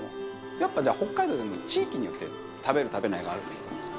やっぱ、じゃあ、北海道でも地域によって食べる、食べないがあるって事なんですか？